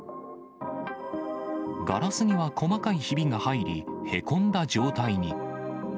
ガラスには細かいひびが入り、へこんだ状態に。